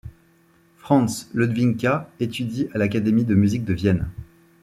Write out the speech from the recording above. Franz Ledwinka étudie à l'Académie de musique de Vienne.